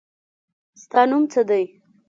ستا نوم څه دی.